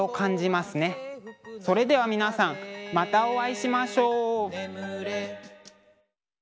それでは皆さんまたお会いしましょう。